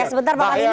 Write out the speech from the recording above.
sebentar pak alin